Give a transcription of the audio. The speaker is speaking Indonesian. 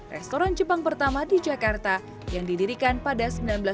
restoran jepang pertama di jakarta yang didirikan pada seribu sembilan ratus delapan puluh